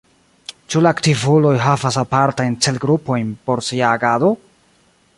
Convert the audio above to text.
Ĉu la aktivuloj havas apartajn celgrupojn por sia agado?